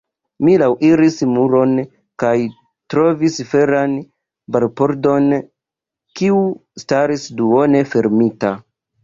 Mi laŭiris la muron kaj trovis feran barpordon, kiu staris duone fermita.